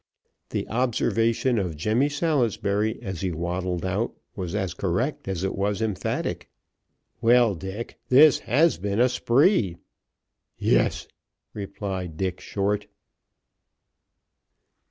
The observation of Jemmy Salisbury, as he waddled out, was as correct as it was emphatic: "Well, Dick, this has been a spree!" "Yes," replied Dick Short.